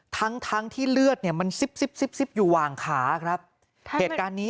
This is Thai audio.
ทั้งที่เลือดเนี่ยมันซิบอยู่วางขาครับเหตุการณ์นี้